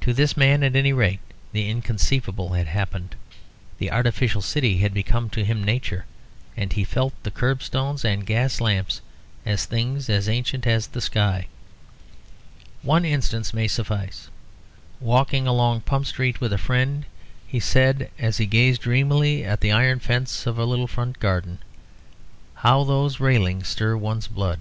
To this man, at any rate, the inconceivable had happened. The artificial city had become to him nature, and he felt the curbstones and gas lamps as things as ancient as the sky. One instance may suffice. Walking along Pump Street with a friend, he said, as he gazed dreamily at the iron fence of a little front garden, "How those railings stir one's blood!"